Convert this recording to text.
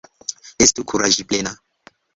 Estu Kuraĝplena!